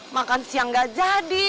makan siang nggak jadi